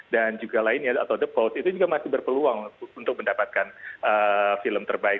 dan juga lainnya the post itu juga masih berpeluang untuk mendapatkan film terbaik